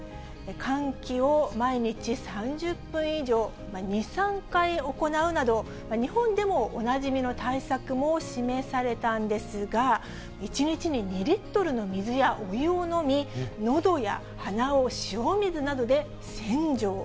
換気を毎日３０分以上、２、３回行うなど、日本でもおなじみの対策も示されたんですが、１日に２リットルの水やお湯を飲み、のどや鼻を塩水などで洗浄。